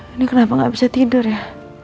ini kenapa nggak bisa tidur ya